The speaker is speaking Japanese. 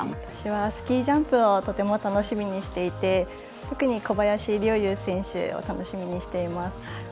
私はスキー・ジャンプをとても楽しみにしていて特に小林陵侑選手をとても楽しみにしています。